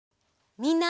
みんな！